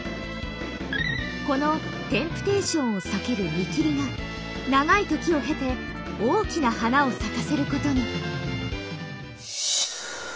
この「テンプテーション」を避ける「見切り」が長い時を経て大きな花を咲かせることに。